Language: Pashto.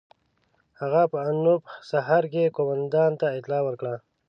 هغه په انوپ سهر کې قوماندان ته اطلاع ورکړه.